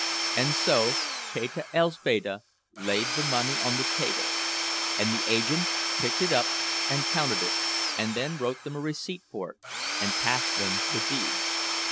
And so Teta Elzbieta laid the money on the table, and the agent picked it up and counted it, and then wrote them a receipt for it and passed them the deed.